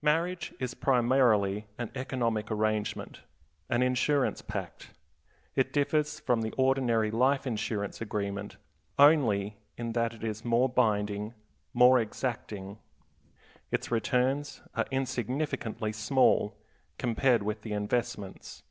Marriage is primarily an economic arrangement, an insurance pact. It differs from the ordinary life insurance agreement only in that it is more binding, more exacting. Its returns are insignificantly small compared with the investments.